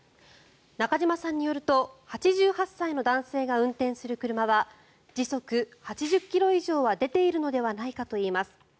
中島さんによると８８歳の男性が運転する車は時速８０ｋｍ以上は出ているのではないかといいます。